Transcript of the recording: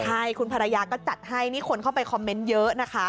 ใช่คุณภรรยาก็จัดให้นี่คนเข้าไปคอมเมนต์เยอะนะคะ